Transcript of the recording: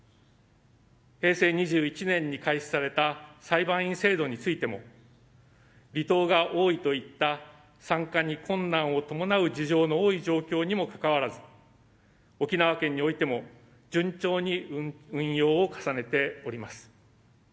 平成２１年に開始された裁判員制度についても離島が多いといった参加に困難を伴う事情の多い状況にもかかわらず沖縄県においても順調に運用を重ねております。